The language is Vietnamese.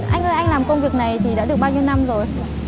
anh ơi anh làm công việc này thì đã được bao nhiêu năm rồi